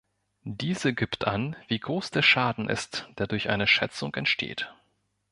Diese gibt an, wie groß der "Schaden" ist, der durch eine Schätzung entsteht.